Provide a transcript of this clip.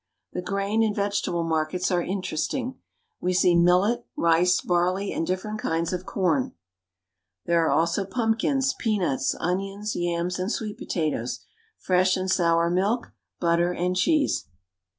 The grain and vegetable markets are interesting. We see millet, rice, barley, and different kinds of corn ; there are also pumpkins, peanuts, onions, yams, and sweet pota toes, fresh and sour milk, butter and cheese.